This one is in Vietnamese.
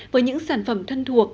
với những sản phẩm thân thuộc